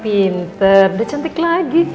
pinter udah cantik lagi